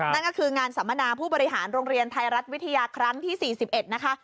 นั่นก็คืองานสัมมนาผู้บริหารโรงเรียนไทยรัฐวิทยาครั้งที่๔๑นะคะ